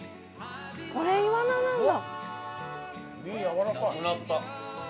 これイワナなんだ。